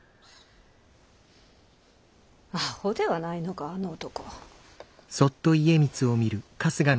阿呆ではないのかあの男。